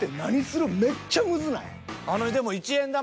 めっちゃムズない？